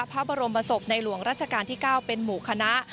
พระบรมศพในหลวงราชการที่๙เป็นหมู่คณะ